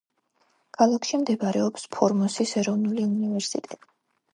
ქალაქში მდებარეობს ფორმოსის ეროვნული უნივერსიტეტი.